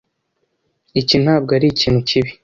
Iki ntabwo ari ikintu kibi.